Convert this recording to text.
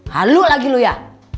halu lagi lu ya